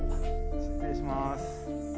失礼します。